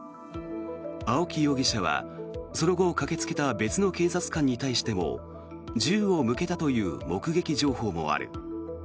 青木容疑者は、その後駆けつけた別の警察官に対しても銃を向けたという目撃情報もある。